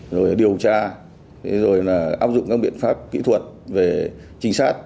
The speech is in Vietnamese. rồi điều tra rồi là áp dụng các biện pháp kỹ thuật về trinh sát